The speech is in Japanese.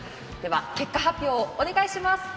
結果発表をお願いします。